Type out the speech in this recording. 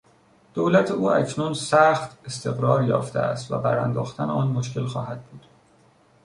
دولت او اکنون سخت استقرار یافته است و بر انداختن آن مشکل خواهد بود.